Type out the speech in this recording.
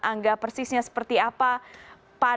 angga persisnya seperti apa